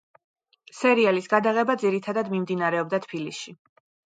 სერიალის გადაღება ძირითადად მიმდინარეობდა თბილისში.